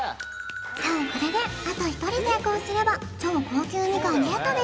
さあこれであと１人成功すれば超高級みかんゲットです